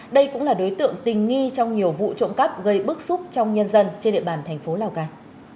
đây cũng là đối tượng tình nghi trong nhiều vụ trộm cắp gây bức xúc trong nhân dân trên địa bàn thành phố lào cai